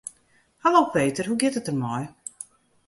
Hallo Peter, hoe giet it der mei?